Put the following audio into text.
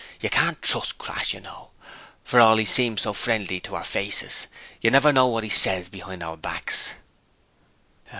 'You can't trust Crass you know, for all 'e seems so friendly to our faces. You never know what 'e ses behind our backs.'